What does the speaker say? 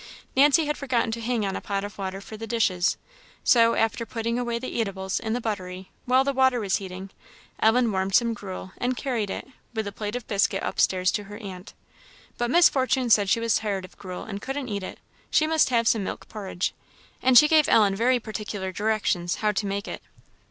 Nancy had forgotten to hang on a pot of water for the dishes; so, after putting away the eatables in the buttery, while the water was heating, Ellen warmed some gruel, and carried it, with a plate of biscuit, upstairs to her aunt. But Miss Fortune said she was tired of gruel, and couldn't eat it; she must have some milk porridge; and she gave Ellen very particular directions how to make it.